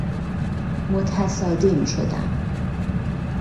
متصادم شدن